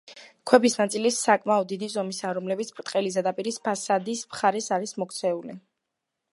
ქვების ნაწილი საკმად დიდი ზომისაა, რომლებიც ბრტყელი ზედაპირის ფასადის მხარეს არის მოქცეული.